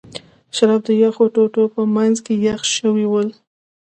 شراب د یخو ټوټو په منځ کې یخ شوي ول.